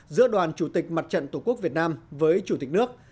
giữa đoàn chủ tịch mặt trận tổ quốc việt nam với chủ tịch nước